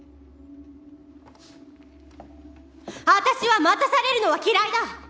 私は待たされるのは嫌いだ∈